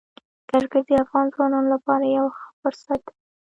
کرکټ د افغان ځوانانو لپاره یو ښه فرصت دی.